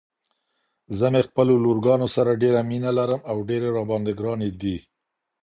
زه مې خپلو لورګانو سره ډيره مينه لرم او ډيرې راباندې ګرانې دي.